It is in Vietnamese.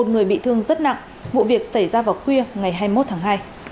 một người bị thương rất nặng vụ việc xảy ra vào khuya ngày hai mươi một tháng hai